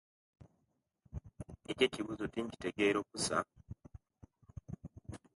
Echo ejibuzo tinkitegera okusa